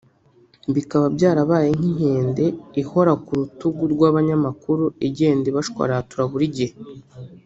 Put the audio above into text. bikaba byarabaye nk’inkende ihora ku rutugu rw’abanyamakuru igenda ibashwaratura buri gihe